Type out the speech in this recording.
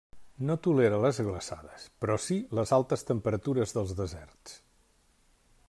No tolera les glaçades però si les altes temperatures dels deserts.